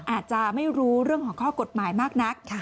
อาจจะไม่รู้เรื่องของข้อกฎหมายมากนัก